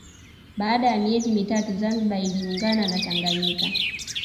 Baada ya miezi mitatu Zanzibar iliungana na Tanganyika